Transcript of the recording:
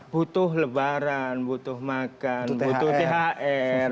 butuh lebaran butuh makan butuh thr